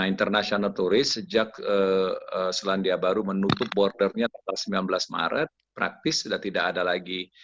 nah international tourist sejak selandia baru menutup border nya sembilan belas maret praktis sudah tidak ada lagi